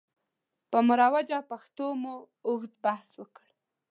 پر مروجه پښتو مو اوږد بحث وکړ.